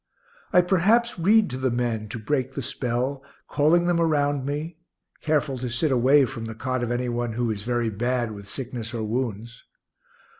I perhaps read to the men, to break the spell, calling them around me, careful to sit away from the cot of any one who is very bad with sickness or wounds.